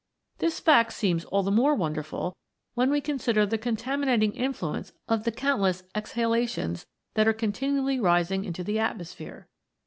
This fact seems all the more wonderful when we consider the contaminating influence of the coiintless exhalations that are continually rising into the atmosphere.